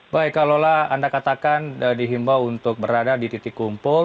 baik kalau lah anda katakan dihimbau untuk berada di titik kumpul